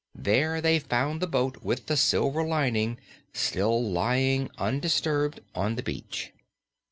There they found the boat with the silver lining still lying undisturbed on the beach.